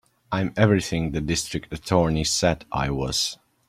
I'm everything the District Attorney said I was.